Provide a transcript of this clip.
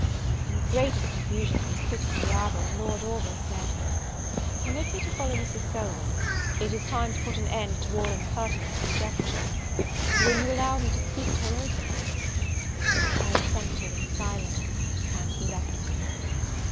In the greatest confusion I was quitting the arbour, when Lord Orville said, "Permit me to follow Mrs. Selwyn; it is time to put an end to all impertinent conjectures; will you allow me to speak to her openly?" I assented in silence, and he left me.